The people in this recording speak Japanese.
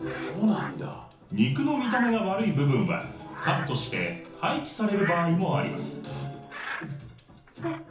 肉の見た目が悪い部分はカットして廃棄される場合もあります